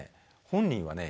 本人はね